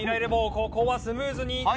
ここはスムーズにいく。